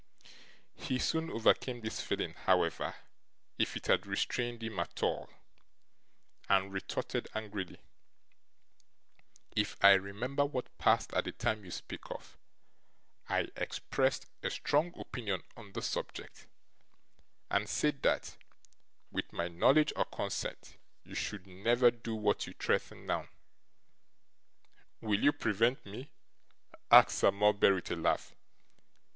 He soon overcame this feeling, however, if it had restrained him at all, and retorted angrily: 'If I remember what passed at the time you speak of, I expressed a strong opinion on this subject, and said that, with my knowledge or consent, you never should do what you threaten now.' 'Will you prevent me?' asked Sir Mulberry, with a laugh.